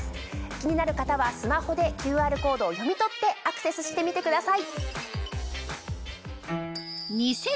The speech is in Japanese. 気になる方はスマホでＱＲコードを読み取ってアクセスしてみてください。